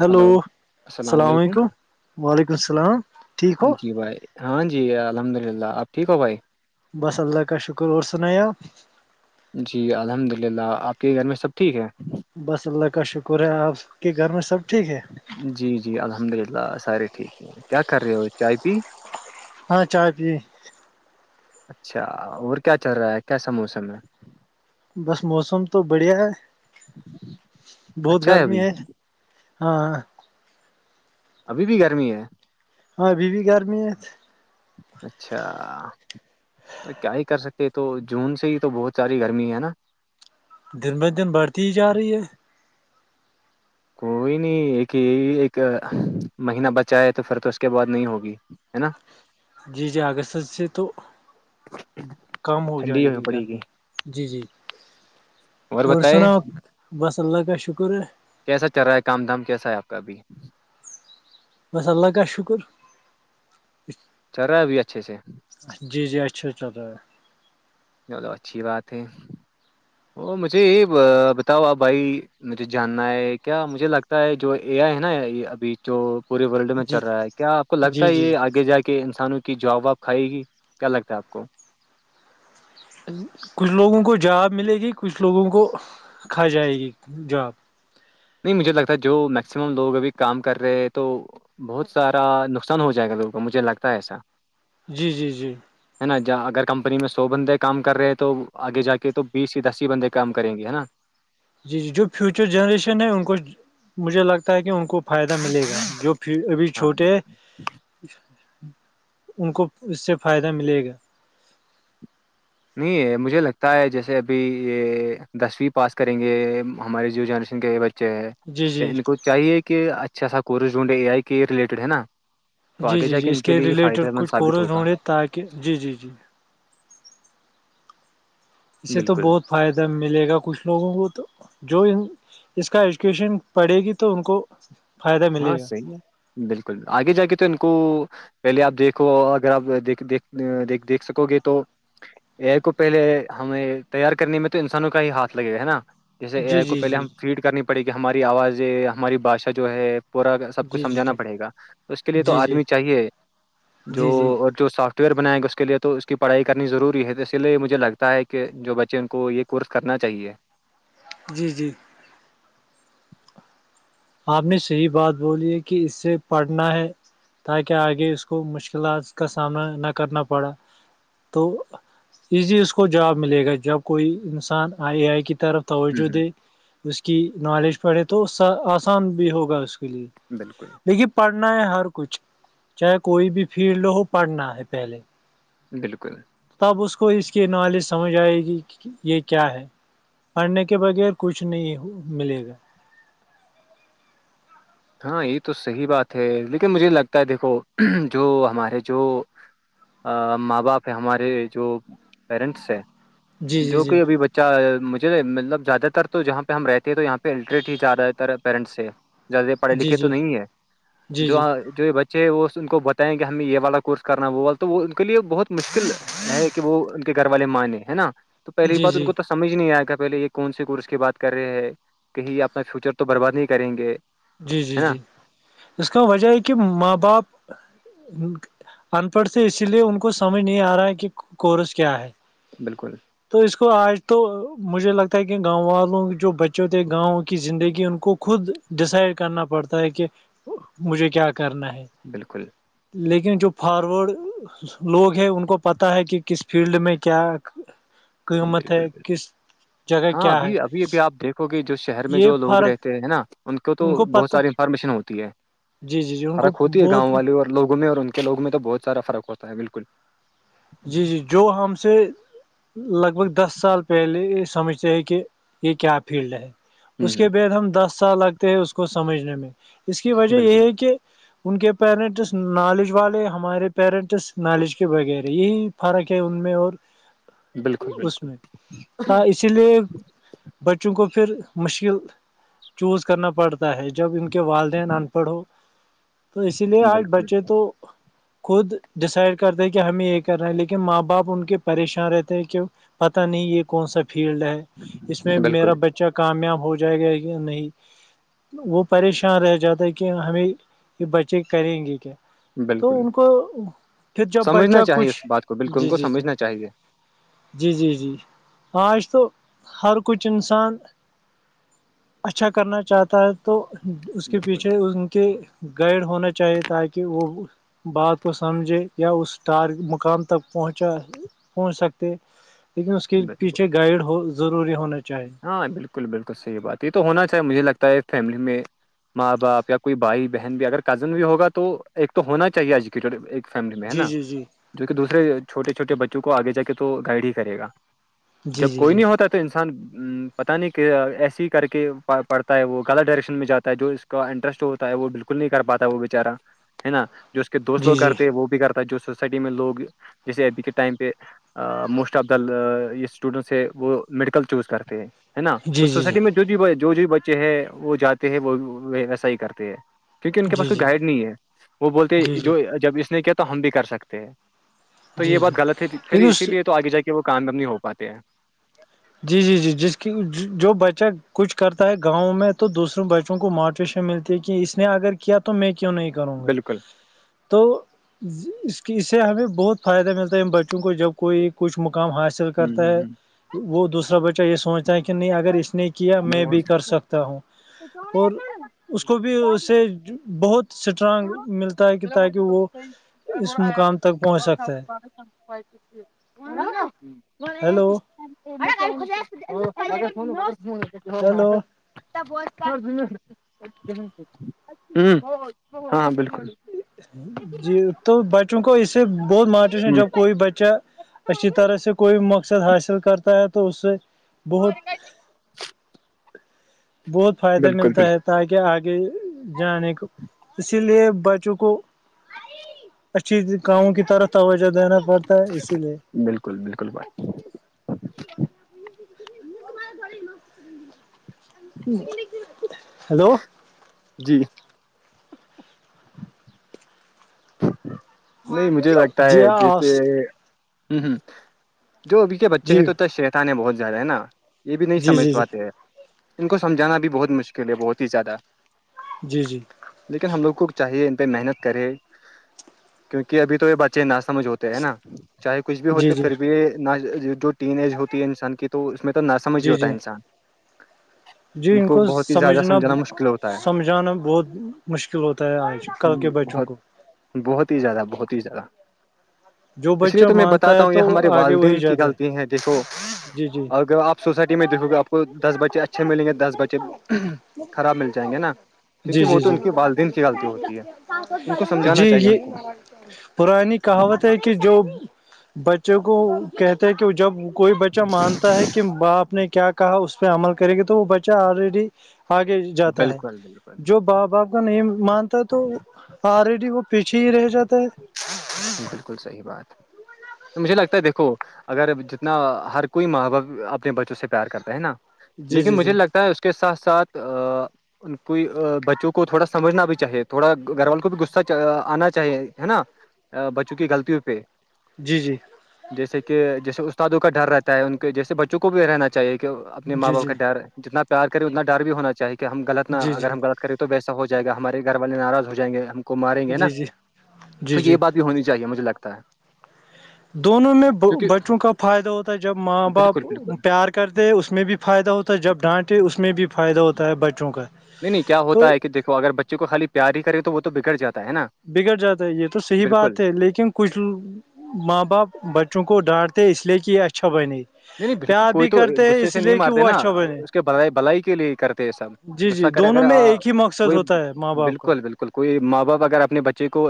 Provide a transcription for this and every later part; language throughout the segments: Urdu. ہلو السلام علیکم وعلیکم السلام ٹھیک ہو جی بھائی ہاں جی الحمد للہ آپ ٹھیک ہو بھائی بس اللہ کا شکر اور سنا آپ جی الحمد للہ آپ کے گھر میں سب ٹھیک ہے بس اللہ کا شکر ہے آپ کے گھر میں سب ٹھیک ہے جی جی الحمد للہ سارے ٹھیک ہے کیا کر رہے ہو چائے پی ہاں چائے پی اچھا اور کیا چل رہا ہے کیسا موسم ہے بس موسم تو بڑھیا ہے بہت اچھا گرمی ابھی ہے ہاں ابھی بھی گرمی ہے ہاں بی بھیی گھرمی ہے اچھا کیا ہی کر سکتے تو جون سے ہی تو بہت ساری گرمی ہے نا دن ب دن بڑھتی ہی جا رہی ہے کوئی نہیں ایک یہ ایک مہینہ بچا ہے تو پھر تو اس کے بعد نہیں ہوگی ہے نا جی جی اگست سے تو کم ہو جائے گی گرمی جی جی اور بتائے بس اللہ کا شکر ہے کیسا چل رہا ہے کام دھام کیسا ہے آپ کا ابھی بس اللہ کا کا شکر چرا ابھی اچھے سے جی جی اچھا چل رہتا ہے ل اچھی بات ہے وہ مجھے یہ بتاؤ آپ بھائی مجھے جاننا ہے کیا مجھے لگتا ہے جو ا آ ہے نا یہ ابھی جو پورے ورلڈ میں جی چل رہا ہے کیا آپ کو لگتا جی ہے جی جی یہ آگے جا کے کہ انسانوں کی جواب واب کھائے گی کیا لگتا ہے آپ کو کچھ لوگوں کو جاب ملے گی کچھ لوگوں کو کھا جائے گی جاب نہیں مجھے لگتا جو میکسیمم لوگ ابھی کام کر رہے ہیں تو بہت سارا نقصان ہو جائے گا لوگ وہ مجھے لگتا ہے ایسا جی جی جی ہے نا اگر کمپنی میں سو بندے کام کر رہے ہیں تو آگے جا کے تو بیس یا دس ہی بندے کام کریں گے ہے نا جی جی جو فیوچر جنریشن ہے ان کو مجھے لگتا ہے کہ ان کو فائدہ ملے گا جو ابھی ہاں چھوٹے بالکل ان کو اس سے فائدہ ملے گا نہیں یہ مجھے لگتا ہے جیسے ابھی یہ دسویں پاس کریں گے ہمارے یو جنریشن کے بچے اچھا جی تو جی ان کو چاہیے کہ اچھا سا کورس جو اے آئی کے ریلیٹیڈ ہے نا تو جی آگے جی جا جی ان اس کے لیے یہ ریلیٹڈ فائدہ مند کچھ ثابت کورز ہوگا ہڈے تاکہ جی جی جی اس سے تو بالکل بہت فائدہ ملے گا کچھ لوگوں کو تو جو اس کا ایجوکیشن پڑھے گی تو ان کو فائدہ ہاں ملے گا صحیح ہے بالکل آگے جا کے تو ان کو پہلے آپ دیکھو اگر آپ دیک دیک دیکھ سکو گے تو یہ کو پہلے ہمیں تیار کرنے میں تو انسانوں کا ہی ہاتھ لگے گا ہے نا جیسے اے جی آئی کو جی پہلے جی ہم فیڈ کرنی پڑے کہ ہماری آوازیں ہماری باشا جو ہے پورا سب کچھ جی جی سمجھانا جی پڑے گا تو اس کے لیے تو جی جی آدمی چاہیے جو جی جو سافٹ ویئر بنائیں گے اس کے لیے تو اس کی پڑھائی کرنی ضروری ہے تو اسی لیے مجھے لگتا ہے کہ جو بچے ان کو ایک کورس کرنا چاہیے جی جی آپ نے صحیح بات بولی ہے کہ اس سے پڑھنا ہے تاکہ آگے اس کو مشکلات کا سامنا نہ کرنا پڑا تو ایزی اس کو جواب ملے گا جب کوئی انسان آئی اے آئی کی طرف ہوں توجہ ہوں دے اس کی نالج پڑھے تو آسان بھی ہوگا اس کے لیے بالکل دیکھیے پڑھنا ہے ہر کچھ چاہے کوئی بھی فیلڈ ہو پڑھنا ہے پہلے بالکل تب اس کو اس کی نالج سمجھ آئے گی یہ کیا ہے پڑھنے کے بغیر کچھ نہیں ملے گا ہاں یہ تو صحیح بات ہے لیکن مجھے لگتا ہے دیکھو جو ہمارے جو ماں باپ ہے ہمارے جو پیرنٹس ہیں جی جی جو جی کہ ابھی بچے مجھے مطلب زیادہ تر تو جہاں پہ ہم رہتے ہیں تو یہاں پہ الٹریٹ ہی زیادہ تر پییرنٹس سے جیادہ پڑھے جی لکھے تو جی نہیں ہے جی جو جی جو بچے ہیں وہ اس کو بتائیں گے ہمیں یہ والا کورس کرنا وہ والا تو وہ ان کے لیے بہت مشکل ہے کہ وہ ان کے گھر والے مان ہے نا تو جی پہلی بات ان کو جی سمجھ نہیں آئے گا پہلے یہ کون سے کورس کی بات کر رہے ہیں کہیں اپنا فیوچر تو برباد نہیں کریں گے جی جی ہے نا جی اس کا وجہ ہے کہ ماں باپ ان پڑھ سےے اسی لیے ان کو سمجھ نہیں آ رہا ہے کہ کورس کیا ہے بالکل تو اس کو آج تو مجھے لگتا ہے کہ گاؤں والوں کے جو بچے ہو تھے گاؤں کی زندگی ان کو خود ڈسائڈ کرنا پڑتا ہے کہ مجھے کیا کرنا ہے بالکل لیکن جو فاروڈ لوگ ہیں ان کو پتہ ہے کہ کس فیلڈ میں کیا قیمت بالکل ہے بالکل کس جگہ ہاں کیا ہے ابھی ابھی ابھی آپ دیکھو گے جو شہر میں یہ جو لوگ فرق رہتے ہیں ہے نا ان کو تو بہت ساری انفارمیشن ہوتی ہے جی جی جی ان کو فرق ہوتی ہے بہت گاؤں والے اور وگوں میں اور ان کے لوگ میں تو بہت سارا فرق ہوتا ہے بالکل جی جی جو ہم سے لگ بھگ دس سال پہلے یہ سمجھتے ہیں کہ یہ کیا فیلڈ ہے ہ اس کے بد ہم دس سال لگتے ہیں اس کو سمجھنے میں اس کی وجہ یہ بالکل ہے کہ ان کے پیرنٹس نالج والے ہمارے پیرنٹس نالج کے بغیر یہی فرق ہے ان میں اور بالکل اس بالکل میں تا اسی لیے بچوں کو پھر مشکل چوز کرنا پڑتا ہے جب ان کے والدین ان پڑھ ہو تو اسی لیے آج بالکل بچے تو خود ڈیسائڈ کرتے کہ ہمیں ایک کر رہے ہیں لیکن ماں باپ ان کے پریشان رہتے ہیں کہ پتا نہیں یہ کون سا فیلڈ ہے اس میں میرا بالکل بچہ کامیاب ہو جائے گا کہ نہیں وہ پریشان رہ جاتا ہے کہ ہمیں یہ بچے کریں گے کیا تو بالکل ان کو پھر جب بچک اہ اس بات کو بالکل ان کو سمجھنا چاہیے جی جی جی آج تو ہر کچھ انسان اچھا کرنا چاہتا ہے تو اس کے بالکل پیچھے ان کے گائڈ ہونا چاہیے تاکہ وہ بات کو سمجھے یا اس ار مقام تک پہنچا پہنچ سکتے لیکن اس کے بالکل پیچھے گائیڈ ہو ضروری ہونے چاہیے ہاں بالکل بالکل صحیح بات یہ تو ہونا چاہے مجھے لگتا ہے فیملی میں ماں باپ یا کوئی بھائی بہن بھی اگر کزن بھی ہوگا تو ایک تو ہونا چاہیے آج ایک فیملی میں ہے جی نا جی جی جو کہ دوسرے چھوٹے چھوٹے بچوں کو آگے جا کے تو گائڈ ہی کرے گا جی جب جی کوئی جی نہیں ہوتا تو انسان پتا نہیں کہ ایسے ہی کر کے پڑھتا ہے وہ غلط ڈائریکشن میں جاتا ہے جو اس کا انٹرسٹ ہوتا ہے وہ بالکل نہیں کر پاتا وہ بچارا ہے نا جو اس کے دوست جی لوگ جی کرتے ہیں وہ بھی کرتا ہے جو سوسائٹی میں لوگ جیسے ابھی کے ٹائم پہ موسٹ آف دا یہ اسٹوڈنٹس ہے وہ میڈیکل چوز کر رہے ہےا تو جی جی سوسائٹی میں جو بچے ہے وہ جاتے ہیں وہ ویسا ہی کرتے ہیں کیونکہ ان کے پاس جی کوئی جی گائڈ نہیں ہے وہ بولتے جی جی جو جب اس نے کیا تو ہم بھی کر سکتے ہیں تو یہ جی جی بات غلط ہے پھر لیکن اسی اس لیے تو آگے جا کے وہ کامیاب نہیں ہو پاتے ہیں جی جی جی جس کی جو بچہ کچھ کرتا ہے گاؤں میں تو دوسروں بچوں کو موٹیویشن مل کہ اس نے اگر کیا تو میں کیوں نہیں کروں گا بالکل تو اس کی اس سے ہمیں بہت فائدہ ملتا ہے ان بچوں کو جب کوئی کچھ مقام حاصل حاصل کرتا ہے ہاں وہ دوسرا بچہ یہ سوچتا ہے کہ نہیں اگر اس نے کیا میں بھی کر سکتا ہوں اور اس کو بھی اسے بہت اسٹرانگ ملتا ہے کہ تاکہ وہ اس مقام تک پہنچ سکتا ہے [inaudible] [inaudible] ہ ہیلو ہیلو ہاں بالکل جی تو بچوں کو اس سے بہت مارٹیویشن ہ جب کوئی بچہ اچھی طرح سے کوئی مقصد حاصل کرتا ہے تو اس سے بہت بہت فائدہ بالکل ملتا ہے بالکل تاکہ آگے جانے کو اسی لیے بچوں کو اچ چی کاموں کی طرف توجہ دینا پڑتا ہے اسی لیے بالکل بالکل بھائی ہیلو جی نہیں مجھے لگتا جی ہے آپ جیسے ہ ہ جو ابھی کے بچے ہیں جی تو شیتان ہے بہت زیادہ ہے نا یہ بھی نہیں جی سمجھ جی جی پاتے ہیں ان کو سمجھانا بھی بہت مشکل ہے بہت ہی زیادہ جی جی لیکن ہم لوگوں کو چاہے ان پہ محنت کرے کیوںکہ ابھی تو یہ بچے نہ سمجھ ہوتے ہے نا چاہے کچھ بھی جی ہوتے پھر بھی نہ جو ٹین ایج ہوتی ہے انسان کی تو اس میں تو نہ سمجھ ہی جی جی ہوتا ہے جی انسان جی ان کو بہت ہی زیادہ سمجھنا سمجھانا مشکل ہوتا سمجھانا بہت مشکل ہوتا ہے آج ہے کل کے بچوں بہت کو بہت ہی زیادہ بہت ہی زیادہ جو اس بچہ لیے تو میں مانتا بتاتا ہے ہوں یہ تو ہمارے آگے وہی والدین کی جاتا غلطی ہے دسو جی جی اگر آپ سوسائٹی میں دیکھو گے آپ کو دس بچے اچھے ملیں گے دس بچے خراب مل جائیں گے نا جی کیونکہ وہ جی تو جی ان کے والدین کی غلطی ہوتی ہے ان کو جی سمجھانا چاہیے ان یہ کو پرانی کہاوت ہے کہ جو بچوں کو کہتے ہیں کہ وہ جب کوئی بچہ مانتا ہے کہ باپ نے کیا کہا اس پہ عمل کرے گی تو وہ بچہ آلریڈی آگے جاتا ہے بالکل بالکل جو باں باپ نہیں مانتا ہے تو آلریڈی وہ پیچھے ہی رہ جاتا ہے ج بالکل صحیح بات مجھے لگتا ہے دیکھو اگر جتنا ہر کوئی ماں باپ اپنے بچوں سے پیار کرتا ہے نا جی لیکن جی مجھے جی لگتا ہے اس کے ساتھ ساتھ ان کو بچوں کو تھوڑا سمجھنا بھی چاہیے تھوڑا گھر والوں کو بھی غصہ آنا چاہیے ہے نا بچوں کی غلطیوں پہ جی جی جیسے کہ جیسے استادوں کا ڈر رہتا ہے ان کے جیسے بچوں کو بھی رہنا چاہے کہ اپنے ماں جی باپ جی کا ڈر جتنا پیار کرے اتنا ڈر بھی ہونا چاہے کہ ہمغلط نہ جی جی اگر ہم لط کریں تو ویسا ہو جائے گا ہمارے گھر والے ناراض ہو جائ گے ہم کو ماریں گے نا جی جی جی تو یہ جی بات بھی ہونی چاہیے مجھے لگتا ہے دونوں میں کیونکہ بچوں کا فائدہ ہوتا ہے جب ماں بالکل باپ بالکل پیار کرتے اس میں بھی فائدہ ہوتا ہے جب ڈانٹے اس میں بھی فائدہ ہوتا ہے بچوں کا تو دیکو اگر بچے کو خال پیار ہی کرے تو وہ تو بگڑ جاتا ہے نا بگڑ جاتا ہے یہ تو صحی بالکل بات ہے لیکن کچھ ماں باپ بچوں کو ڈانٹتے اس لیے کہ یہ اچھا بنے نہیں نہیں بالکل پیار کوئی بھی تو کرتے ہیں غصے اس سے نہیں لیے کہ مارتے وہ نا اچھا بنے اس کے بلائی بھلائی کے لیے کرتے ہیں سب جی غصہ جی کرے اگر دونوں میں ایک ہی مقصد وہی ہوتا ہے ماں باپ کا بالکل بالکل بال کوئی ماں باپ اگر اپنے بچے کو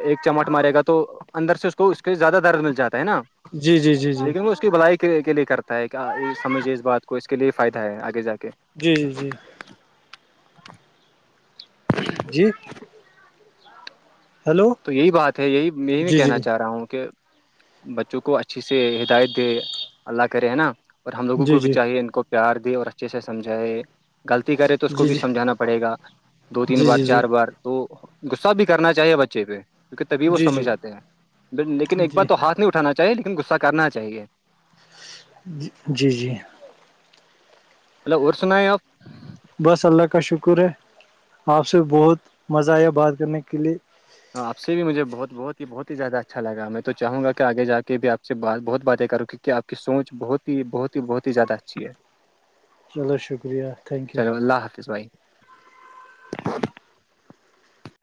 ایک چمٹ مارے گا تو اندر سے اس کو اس کے زیادہ درد مل جاتا ہے نا جی جی جی جی لیکن وہ اس کی بلائی کے کے لیے کرتا ہے سمجھیے اس بات کو اس کے لیے فائدہ ہے آگے جا کے جی جی جی جی ہلو تو یہی بات ہے یہی یہی میں جی جی کہنا چاہ رہا ہوں کہ بچوں کو اچھی سے ہدایت دے اللہ کرے ہیں نا اور ہم لوگوں جی جی کو بھی جی چاہیے ان کو پیار دے اور اچھے سے سمجھائے غلطی کرے تو اس کو جی بھی جی سمجھانا پڑے گا دو تین جی بار جی جی چار بار تو غصہ بھی کرنا چاہیے بچے پہ کیونکہ تبھی وہ سمجھ جے ہیں لیکن ایک بار جی جی تو ہاتھ نہیں اٹھانا چ چاہیے لیکن غصہ کرنا چاہیے جی جی ہیلو اور سنا بس اللہ کا شکر ہے آپ سے بہت مزہ آیا بات کرنے کے لیے آپ بھیجھے بہت بہت ہی بہت ہی زیادہ اچھا لگا میں تو چاہوں گا کہ آگے جا کے بھی آ سے بات بہت باتیں کروں کیونک آپ کی سوچ بہت ہی بہت ہی بہت ہی زیادہ اچھی ہے چلو شکریہ تھینک یو چلو اللہ حافظ بھائی